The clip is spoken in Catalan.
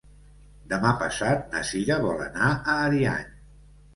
Demà passat na Cira vol anar a Ariany.